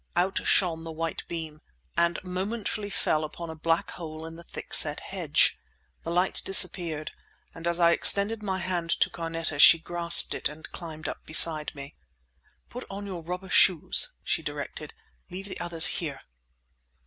Out shone the white beam, and momentarily fell upon a black hole in the thickset hedge. The light disappeared, and as I extended my hand to Carneta she grasped it and climbed up beside me. "Put on your rubber shoes," she directed. "Leave the others here."